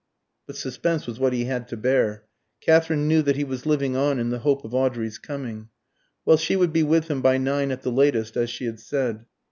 But suspense was what he had to bear. Katherine knew that he was living on in the hope of Audrey's coming. Well, she would be with him by nine at the latest, as she had said.